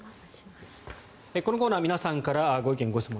このコーナー皆さんからご意見・ご質問